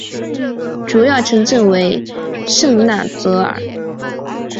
主要城镇为圣纳泽尔。